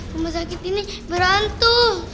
rumah sakit ini berhantu